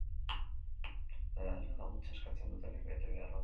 Dena dela, laguntza eskatzen dutenek betebehar batzuk dituzte.